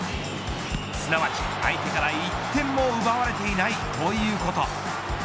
すなわち相手から１点も奪われていないということ。